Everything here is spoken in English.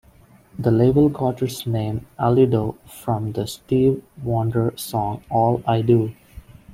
The label got its name "Allido" from the Stevie Wonder song "All I Do".